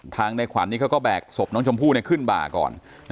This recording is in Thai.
ในขวัญนี้เขาก็แบกศพน้องชมพู่ขึ้นบ่าก่อน